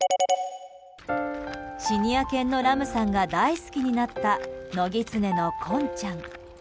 シニア犬のラムさんが大好きになった野ギツネのコンちゃん。